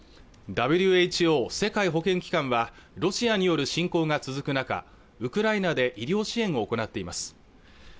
ＷＨＯ＝世界保健機関はロシアによる侵攻が続く中ウクライナで医療支援を行っています